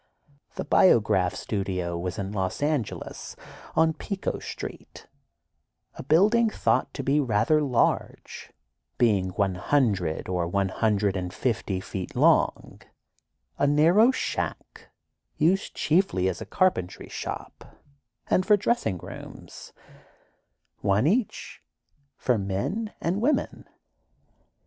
The Biograph studio was in Los Angeles, on Pico Street, a building thought to be rather large, being one hundred or one hundred and fifty feet long—a narrow shack, used chiefly as a carpentry shop, and for dressing rooms—one each, for men and women.